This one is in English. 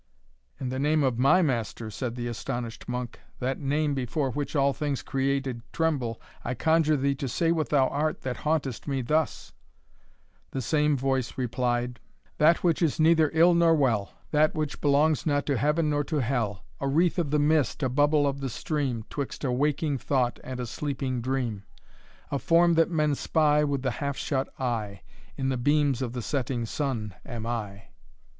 "In the name of MY Master," said the astonished monk, "that name before which all things created tremble, I conjure thee to say what thou art that hauntest me thus?" The same voice replied, "That which is neither ill nor well. That which belongs not to Heaven nor to hell, A wreath of the mist, a bubble of the stream, 'Twixt a waking thought and a sleeping dream; A form that men spy With the half shut eye. In the beams of the setting sun, am I."